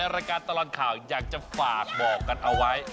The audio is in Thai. รายการตลอดข่าวอยากจะฝากบอกกันเอาไว้